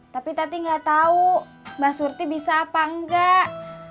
tapi tati gak tahu mbak surti bisa apa enggak